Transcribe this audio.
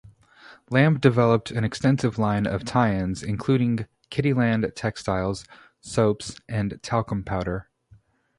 Lamb developed an extensive line of tie-ins, including Kiddyland textiles, soaps, and talcum powder.